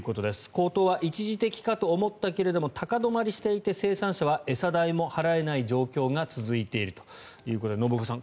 高騰は一時的かと思ったけれども高止まりしていて生産者は餌代も払えない状況が続いているということで信岡さん